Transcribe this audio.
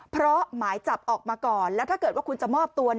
เพราะหมายจับออกมาก่อนแล้วถ้าเกิดว่าคุณจะมอบตัว